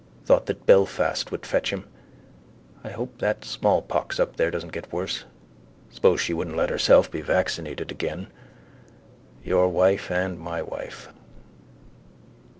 Thought that Belfast would fetch him. I hope that smallpox up there doesn't get worse. Suppose she wouldn't let herself be vaccinated again. Your wife and my wife.